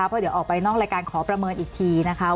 เพราะเดี๋ยวออกไปนอกรายการขอประเมินอีกทีนะคะ